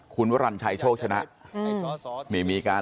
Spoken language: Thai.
คุณวรรณชัยโชคชนะ